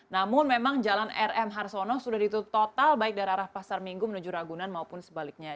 namun memang jalan rm harsono sudah ditutup total baik dari arah pasar minggu menuju ragunan maupun sebaliknya